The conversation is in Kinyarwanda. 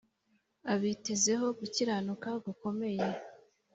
Abitezeho gukiranuka gukomeye.